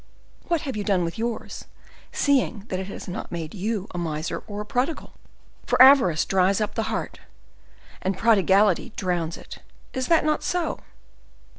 "What have you done with yours, seeing that it has not made you a miser or a prodigal? For avarice dries up the heart, and prodigality drowns it—is that not so?"